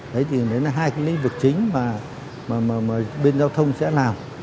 đấy thì đấy là hai cái lĩnh vực chính mà bên giao thông sẽ làm